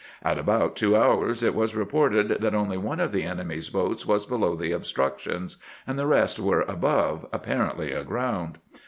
In about two hours it was re ported that only one of the enemy's boats was below the obstructions, and the rest were above, apparently aground.